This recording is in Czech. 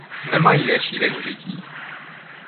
Nemají větší využití.